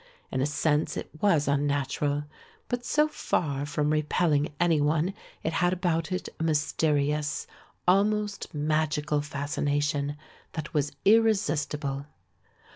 In a sense it was unnatural, but so far from repelling any one it had about it a mysterious, almost magical fascination that was irresistible.